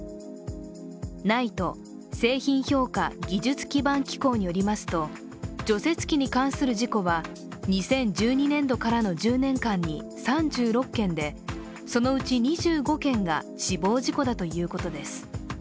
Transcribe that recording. ＮＩＴＥ＝製品評価技術基盤機構によりますと、除雪機に関する事故は２０１２年度からの１０年間に３６件でそのうち２５件が死亡事故だということです。